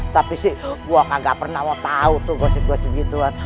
tapi sih gue kagak pernah tau tuh gosip gosip gituan